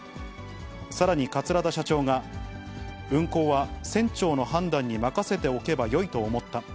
さらに、桂田社長が運航は船長の判断に任せておけばよいと思った。